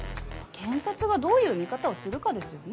検察がどういう見方をするかですよね。